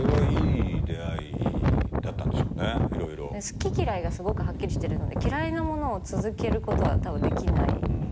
好き嫌いがすごくはっきりしてるので嫌いなものを続けることはたぶんできない。